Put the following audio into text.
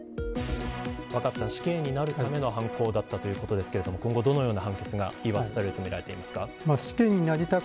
若狭さん、死刑になるための犯行だったということですけど今後どのような判決が言い渡されると見ていますか。